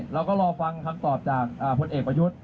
เราก็รอฟังคำตอบจากพลเอกประยุทธ์